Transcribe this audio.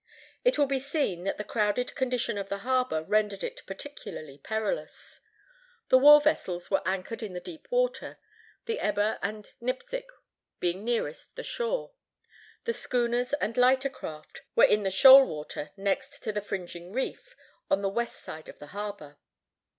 It will be seen that the crowded condition of the harbor rendered it peculiarly perilous. The war vessels were anchored in the deep water, the Eber and Nipsic being nearest the shore. The schooners and lighter craft were in the shoal water next to the fringing reef on the west side of the harbor.